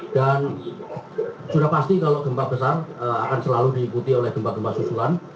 dan sudah pasti kalau gempa besar akan selalu diikuti oleh gempa gempa susulan